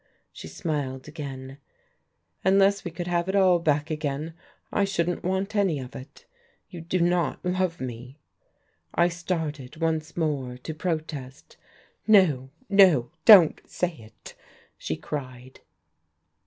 She smiled again. "Unless we could have it all back again, I shouldn't want any of it. You do not love me " I started once more to protest. "No, no, don't say it!" she cried.